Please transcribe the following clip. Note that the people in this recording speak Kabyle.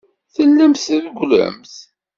Tellamt trewwlemt.